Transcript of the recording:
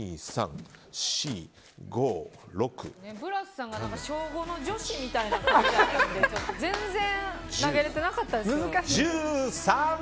ブラスさんが小５の女子みたいで全然投げれてなかったですよ。